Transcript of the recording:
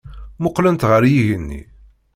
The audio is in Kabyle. Mmuqqlent ɣer yigenni.